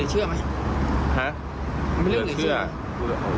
เหลือเชื่อไหม